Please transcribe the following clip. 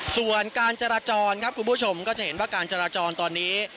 ส่วนการจราจรครับคุณผู้ชมก็จะเห็นว่าการจราจรตอนนี้